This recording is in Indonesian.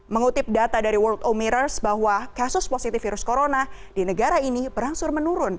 mengutip data dari world omiters bahwa kasus positif virus corona di negara ini berangsur menurun